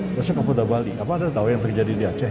misalnya kapolda bali apa anda tahu yang terjadi di aceh